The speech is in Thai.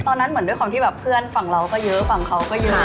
เหมือนด้วยความที่แบบเพื่อนฝั่งเราก็เยอะฝั่งเขาก็เยอะ